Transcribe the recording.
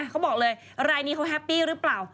เขาบอกเลยรายนี้เขาแฮปปี้หรือเปล่า